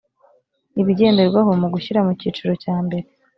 ibigenderwaho mu gushyira mu cyiciro cyambere